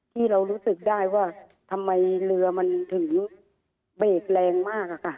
ที่เรารู้สึกได้ว่าทำไมเรือมันถึงเบรกแรงมากอะค่ะ